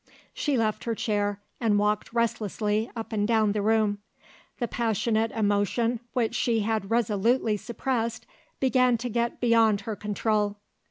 She left her chair, and walked restlessly up and down the room. The passionate emotion which she had resolutely suppressed began to get beyond her control.